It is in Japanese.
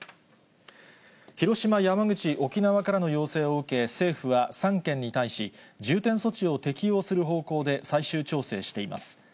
広島、山口、沖縄からの要請を受け、政府は３県に対し、重点措置を適用する方向で、最終調整しています。